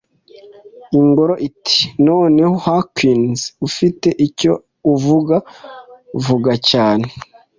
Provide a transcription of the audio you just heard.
Inkongoro iti: “Noneho, Hawkins, ufite icyo uvuga. Vuga cyane."